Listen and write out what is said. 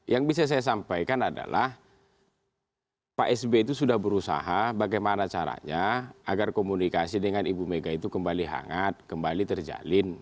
yang bisa saya sampaikan adalah pak sby itu sudah berusaha bagaimana caranya agar komunikasi dengan ibu mega itu kembali hangat kembali terjalin